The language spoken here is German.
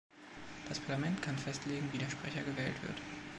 Das Parlament kann festlegen, wie der Sprecher gewählt wird.